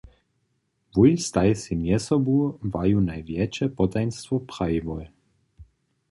Wój staj sej mjezsobu waju najwjetše potajnstwo prajiłoj.